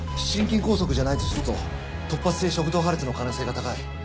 心筋梗塞じゃないとすると突発性食道破裂の可能性が高い。